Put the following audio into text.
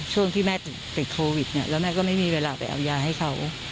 ช่วงที่แม่ติดโควิดเนี่ยแล้วแม่ก็ไม่มีเวลาไปเอายาให้เขา